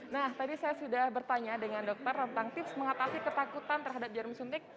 nah tadi saya sudah bertanya dengan dokter tentang tips mengatasi ketakutan terhadap jarum suntik